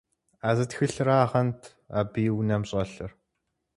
А зы тхылъырагъэнт абы и унэм щӀэлъыр.